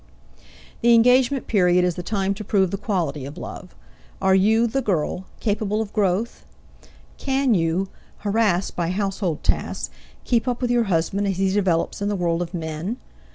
The engagement period is the time to prove the quality of love. Are you the girl capable of growth? Can you, harassed by household tasks, keep up with your husband as he develops in the world of men?